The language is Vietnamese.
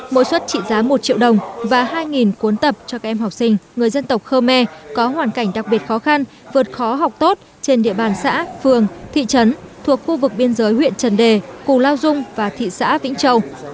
mỗi xuất trị giá một triệu đồng và hai cuốn tập cho các em học sinh người dân tộc khơ me có hoàn cảnh đặc biệt khó khăn vượt khó học tốt trên địa bàn xã phường thị trấn thuộc khu vực biên giới huyện trần đề cù lao dung và thị xã vĩnh châu